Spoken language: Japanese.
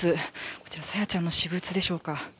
こちら、朝芽ちゃんの私物でしょうか。